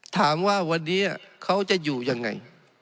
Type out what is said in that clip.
ถามว่าวันนี้เขาจะอยู่ยังไง